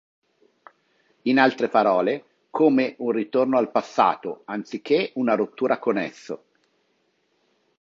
In altre parole, come un ritorno al passato anziché una rottura con esso.